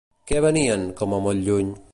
Què veien, com a molt lluny?